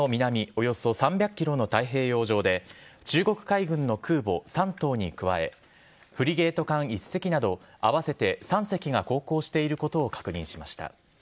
およそ３００ｋｍの太平洋上で中国海軍の空母「山東」に加えフリゲート艦１隻など合わせて３隻が航行していることを確認しました。